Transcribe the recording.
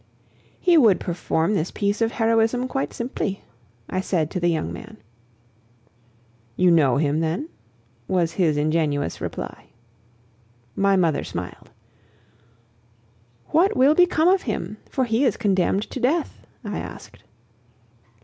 "He would perform this piece of heroism quite simply," I said to the young man. "You know him then?" was his ingenuous reply. My mother smiled. "What will become of him, for he is condemned to death?" I asked.